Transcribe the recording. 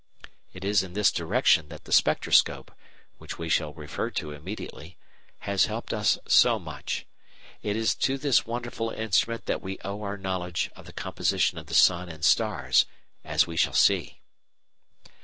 It is in this direction that the spectroscope (which we shall refer to immediately) has helped us so much. It is to this wonderful instrument that we owe our knowledge of the composition of the sun and stars, as we shall see.